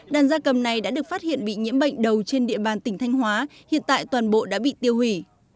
đàn gia cầm này đã được phát hiện bị nhiễm bệnh đầu trên địa bàn tỉnh thanh hóa hiện tại toàn bộ đã bị tiêu hủy